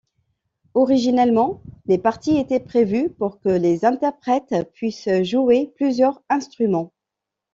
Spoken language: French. Originellement, les parties étaient prévues pour que les interprètes puissent jouer plusieurs instruments.